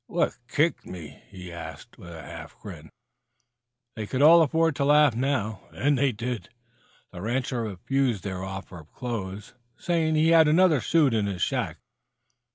"What kicked me?" he asked, with a half grin. They could all afford to laugh now, and they did. The rancher refused their offer of clothes, saying he had another suit in his shack.